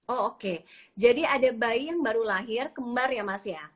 oke jadi ada bayi yang baru lahir kembar ya mas ya